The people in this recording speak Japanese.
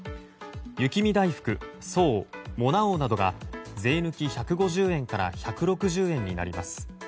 雪見だいふく、爽、モナ王などが税抜き１５０円から１６０円になります。